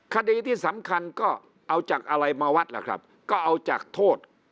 คดีที่สำคัญก็เอาจากอะไรมาวัดล่ะครับก็เอาจากโทษ